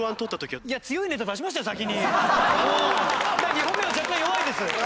２本目は若干弱いです。